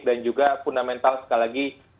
dan juga fundamental sekali lagi